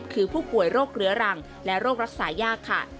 คือผู้ป่วยโรคเรื้อรังและโรครักษายากค่ะ